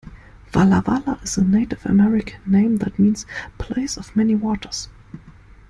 Walla Walla is a Native American name that means "Place of Many Waters".